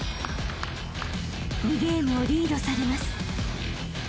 ［２ゲームをリードされます］